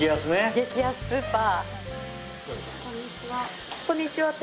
激安スーパー。